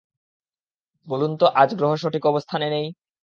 বলুন তো, আজ গ্রহ সঠিক অবস্থানে নেই।